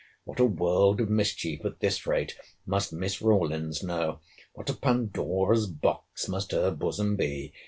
What a world of mischief, at this rate, must Miss Rawlins know!—What a Pandora's box must her bosom be!